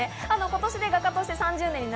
今年で画家として３０年に